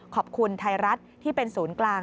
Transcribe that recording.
ขอบคุณไทยรัฐที่เป็นศูนย์กลาง